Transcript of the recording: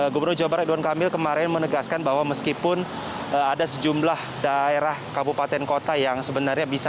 gubernur jawa barat idwan kamil kemarin menegaskan bahwa meskipun ada sejumlah daerah kabupaten kota yang sebenarnya bisa